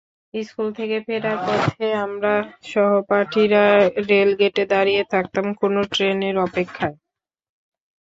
School থেকে ফেরার পথে আমরা সহপাঠীরা রেলগেটে দাঁড়িয়ে থাকতাম কোনো ট্রেনের অপেক্ষায়।